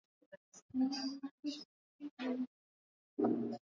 Vinundu vya Ngozi